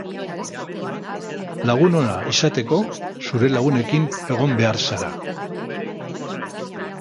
Lagun ona izateko, zure lagunekin egon behar zara.